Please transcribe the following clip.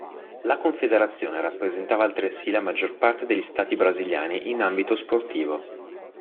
La Confederazione rappresentava altresì la maggior parte degli Stati brasiliani in ambito sportivo.